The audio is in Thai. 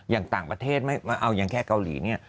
อย่างต่างประเทศไม่เอาอย่างแค่เกาหลีเนี่ย